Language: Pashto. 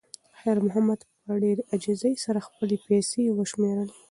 خیر محمد په ډېرې عاجزۍ سره خپلې پیسې وشمېرلې.